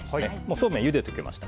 そうめん、ゆでておきました。